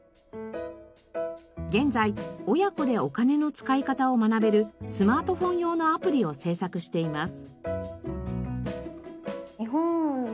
現在親子でお金の使い方を学べるスマートフォン用のアプリを制作しています。